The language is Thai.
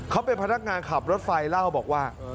เขาเป็นพนักงานขับรถไฟเล่าบอกว่า